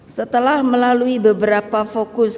setelah melalui beberapa fokus